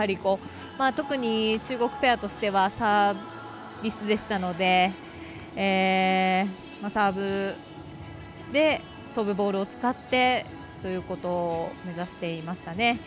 特に中国ペアとしてはサービスでしたのでサーブで飛ぶボールを使ってということを目指していましたね。